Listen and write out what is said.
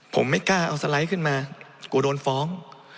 ผมไม่กล้าเอาสไลด์ขึ้นมากลัวโดนฟ้อง